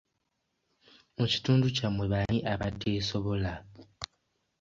Mu kitundu kyammwe baani abateesobola?